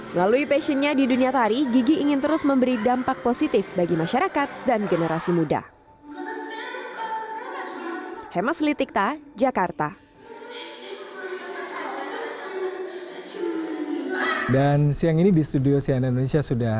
melalui passionnya di dunia tari gigi ingin terus memberi dampak positif bagi masyarakat dan generasi muda